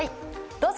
どうぞ。